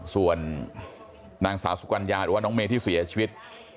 ส่วนนางสาวสุกัญญาหรือว่าน้องเมย์ที่เสียชีวิต